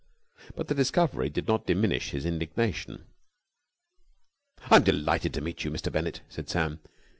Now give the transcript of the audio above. But the discovery did not diminish his indignation. "I am delighted to meet you, Mr. Bennett," said Sam.